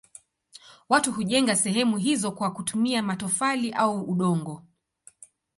Watu hujenga sehemu hizo kwa kutumia matofali au udongo.